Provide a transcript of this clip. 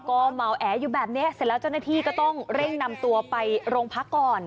ก็เมาแออยู่แบบนี้เสร็จแล้วเจ้าหน้าที่ก็ต้องเร่งนำตัวไปโรงพักก่อน